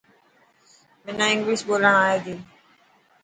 منا انگلش ٻولڻ آئي تي.